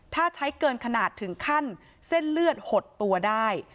ถ้าใช้เกินขนาดถึงขั้นเส้นเลือดหดตัวได้